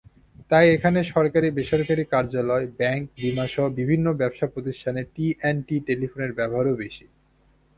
তাই এখানে সরকারি-বেসরকারি কার্যালয়, ব্যাংক-বিমাসহ বিভিন্ন ব্যবসাপ্রতিষ্ঠানে টিঅ্যান্ডটি টেলিফোনের ব্যবহারও বেশি।